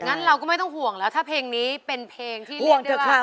งั้นเราก็ไม่ต้องห่วงแล้วถ้าเพลงนี้เป็นเพลงที่เรียกได้ว่า